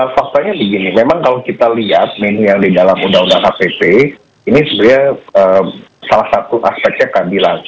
faktanya begini memang kalau kita lihat yang di dalam undang undang hpp ini sebenarnya salah satu aspeknya keadilan